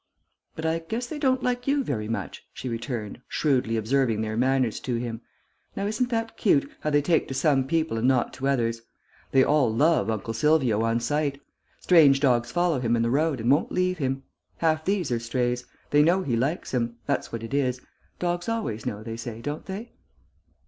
"But I guess they don't like you very much," she returned, shrewdly observing their manners to him. "Now isn't that cute, how they take to some people and not to others. They all love Uncle Silvio on sight. Stray dogs follow him in the road and won't leave him. Half these are strays.... They know he likes them, that's what it is. Dogs always know, they say, don't they."